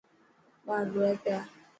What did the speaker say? ٻاڙ روئي پيا.